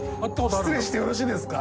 「失礼してよろしいですか」